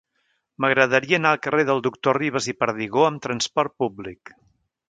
M'agradaria anar al carrer del Doctor Ribas i Perdigó amb trasport públic.